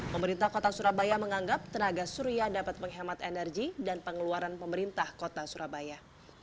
pemerintah kota surabaya menganggap tenaga surya dapat menghemat energi dan pengeluaran pemerintah kota surabaya